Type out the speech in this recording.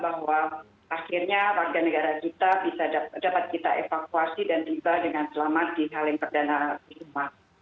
bahwa akhirnya warga negara kita dapat kita evakuasi dan tiba dengan selamat di halim perdana di rumah